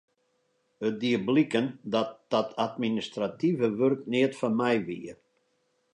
It die bliken dat dat administrative wurk neat foar my wie.